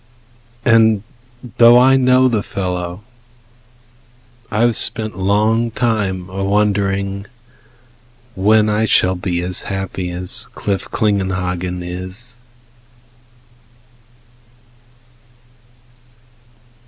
And though I know the fellow, I have spent Long time a wondering when I shall be As happy as Cliff Klingenhagen is.